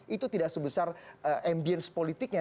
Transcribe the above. itu tidak sebesar ambience politiknya